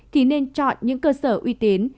thì nên chọn những cơ sở uy tín